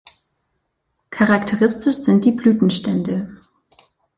Charakteristisch sind die Blütenstände.